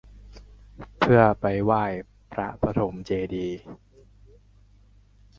เพื่อไปไหว้พระปฐมเจดีย์